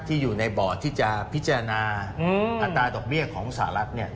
ที่อยู่ในบอร์ดที่จะพิจารณาอัตราดอกเบี้ยของสหรัฐเนี่ย